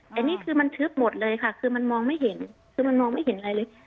แต่นี่คือมันทึบหมดเลยค่ะคือมันมองไม่เห็นคือมันมองไม่เห็นอะไรเลย